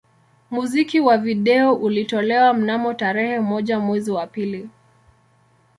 Muziki wa video ulitolewa mnamo tarehe moja mwezi wa pili